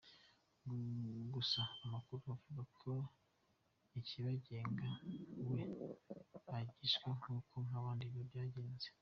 Gusa amakuru avuga ko Ikibagenga we atishwe nk’uko ku bandi byagenze.